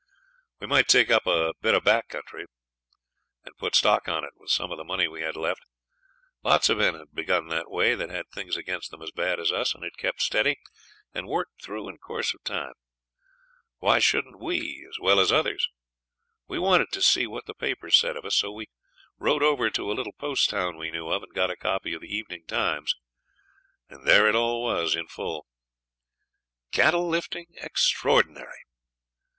We might take up a bit of back country, and put stock on it with some of the money we had left. Lots of men had begun that way that had things against them as bad as us, and had kept steady, and worked through in course of time. Why shouldn't we as well as others? We wanted to see what the papers said of us, so we rode over to a little post town we knew of and got a copy of the 'Evening Times'. There it all was in full: CATTLE LIFTING EXTRAORDINARY.